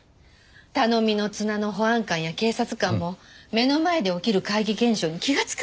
頼みの綱の保安官や警察官も目の前で起きる怪奇現象に気がつかないんです。